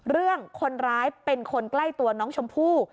เรื่องคนร้ายเป็นคนใกล้ตัวน้องชมพู่